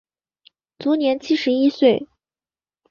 卒年七十一岁。